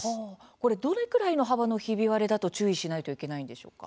これ、どれくらいの幅のひび割れだと注意しないといけないんでしょうか？